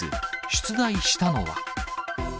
出題したのは？